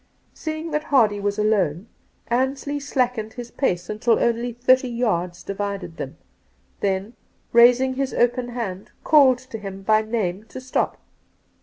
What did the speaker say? Seeing that Hardy was alone, Ansley slackened his pace tUl only thirty yards divided them, then, raising his open hand, called to him by name to stop.